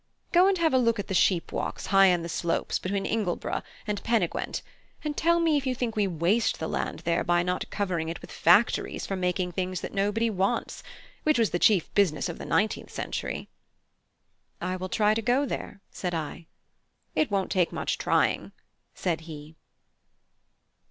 Go and have a look at the sheep walks high up the slopes between Ingleborough and Pen y gwent, and tell me if you think we waste the land there by not covering it with factories for making things that nobody wants, which was the chief business of the nineteenth century." "I will try to go there," said I. "It won't take much trying," said he.